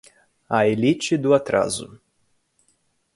A elite do atraso